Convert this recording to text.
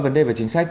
vấn đề về chính sách